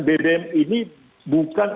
bbm ini bukan